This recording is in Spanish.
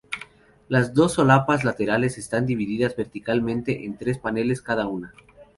Las dos solapas laterales están divididas verticalmente en tres paneles cada una.